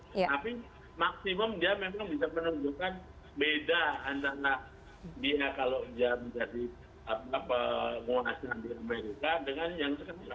tapi maksimum dia memang bisa menunjukkan beda antara dia kalau dia menjadi penguasa di amerika dengan yang sekarang